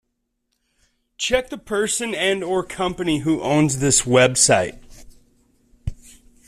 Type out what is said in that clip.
Check the person and/or company who owns this website.